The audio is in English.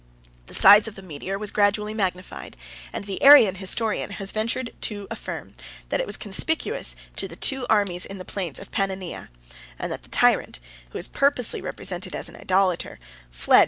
89 The size of the meteor was gradually magnified; and the Arian historian has ventured to affirm, that it was conspicuous to the two armies in the plains of Pannonia; and that the tyrant, who is purposely represented as an idolater, fled before the auspicious sign of orthodox Christianity.